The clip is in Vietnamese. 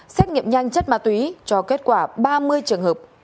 xét nghiệm nhanh chất ma túy cho kết quả ba mươi trường hợp